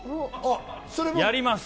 やります。